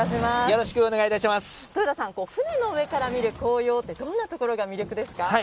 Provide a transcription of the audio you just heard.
船の上から見る紅葉ってどんなところが魅力ですか？